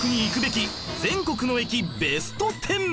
全国の駅ベスト１０